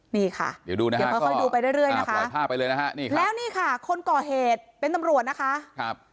นี่ค่ะเดี๋ยวค่อยดูไปเรื่อยนะคะแล้วนี่ค่ะคนก่อเหตุเป็นตำรวจนะคะ